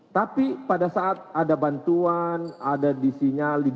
tapi pada saat ada bantuan ada di sinyal diduga bahwa ada aliran